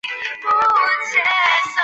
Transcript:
中华人民共和国电影导演。